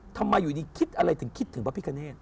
ทำไมอยู่นี้คิดอะไรจึงคิดถึงบ๊าพิกาเนต